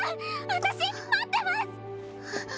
私待ってます！